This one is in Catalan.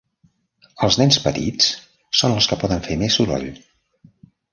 Els nens petits són els que poden fer més soroll.